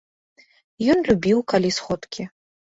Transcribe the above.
Ён любіў, калі сходкі.